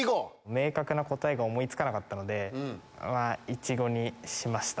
明確な答えが思い付かなかったのでまぁ「いちご」にしました。